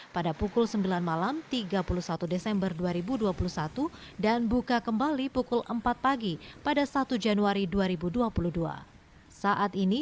pada pukul sembilan malam tiga puluh satu desember dua ribu dua puluh satu dan buka kembali pukul empat pagi pada satu januari dua ribu dua puluh dua saat ini